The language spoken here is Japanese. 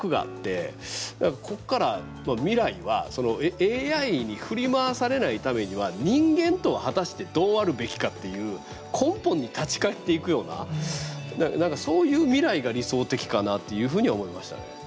ここから未来はそのＡＩに振り回されないためには人間とは果たしてどうあるべきかっていう根本に立ち返っていくようなそういう未来が理想的かなというふうには思いましたね。